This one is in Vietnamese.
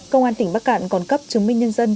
công an tỉnh bắc cạn còn cấp chứng minh nhân dân